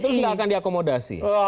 itu enggak akan diakomodasi